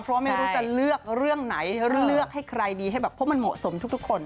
เพราะว่าไม่รู้จะเลือกเรื่องไหนเลือกให้ใครดีให้แบบเพราะมันเหมาะสมทุกคน